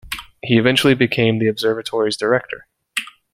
He eventually became the observatory's director.